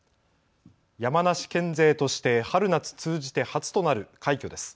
山梨県勢として春夏通じて初となる快挙です。